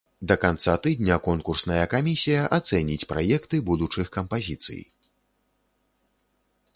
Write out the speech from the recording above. Да канца тыдня конкурсная камісія ацэніць праекты будучых кампазіцый.